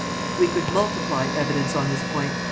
We could multiply evidence on this point.